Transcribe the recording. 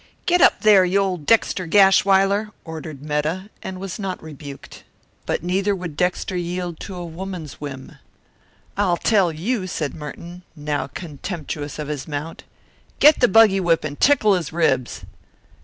"Giddap, there, you old Dexter Gashwiler!" ordered Metta, and was not rebuked. But neither would Dexter yield to a woman's whim. "I'll tell you!" said Merton, now contemptuous of his mount. "Get the buggy whip and tickle his ribs."